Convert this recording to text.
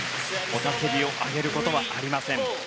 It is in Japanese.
雄たけびを上げることはありません。